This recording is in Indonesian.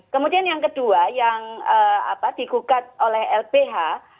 kemudian yang kedua yang di gugat oleh lbh